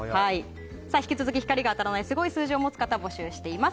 引き続き光が当たらないスゴイ数字を持つ方募集しています。